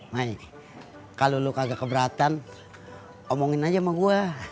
mai kalau lo kagak keberatan omongin aja sama gue